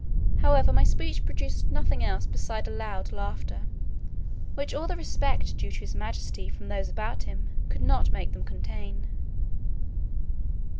However, my speech produced nothing else beside a loud laughter, which all the respect due to his majesty from those about him could not make them contain.